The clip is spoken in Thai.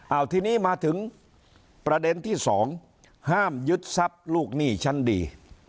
เอาทีนี้มาถึงประเด็นที่สองห้ามยึดทรัพย์ลูกหนี้ชั้นดี